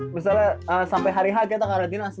pengalaman gue dua puluh satu hari udah